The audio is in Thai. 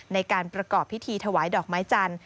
ในการประกอบพิธีถวายดอกไม้จันทร์